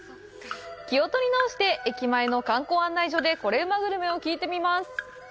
気を取り直して、駅前の観光案内所でコレうまグルメを聞いてみます。